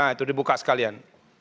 itu dibuka sekalian